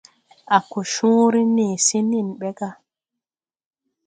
A ko cõõre nee se nen ɓe gà.